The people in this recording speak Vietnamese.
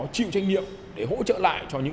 chịu trách nhiệm để hỗ trợ lại cho những